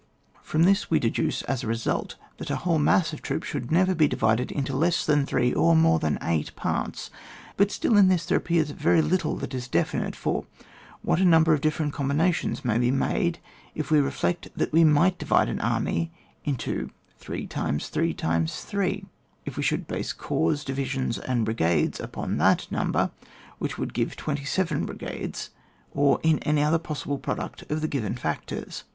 h. From this we deduce as a result, that a whole mass of troops should never be divided into less than three, or more than eight parts. But still in this there appeal's very little that is definite, for what a number of difierent combinations may be made, if we reflect that we might divide an army into 3x3x3, if we should base corps, divisions, and brigades upon that number, which would g^ve twenty seven brigades, or into any other possible product of the given factors.